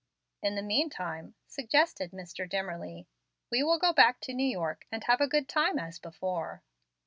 "In the mean time," suggested Mr. Dimmerly, "we will go back to New York and have a good time as before."